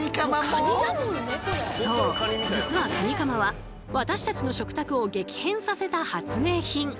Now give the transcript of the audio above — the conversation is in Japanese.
そう実はカニカマは私たちの食卓を激変させた発明品！